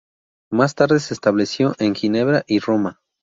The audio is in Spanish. Más tarde se estableció en Ginebra y Roma.